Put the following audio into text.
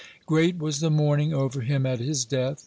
(90) Great was the mourning over him at his death.